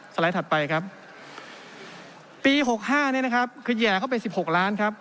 ไลด์ถัดไปครับปี๖๕นี้นะครับคือแห่เข้าไป๑๖ล้านครับ